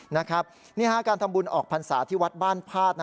นี่ฮะการทำบุญออกพรรษาที่วัดบ้านพาด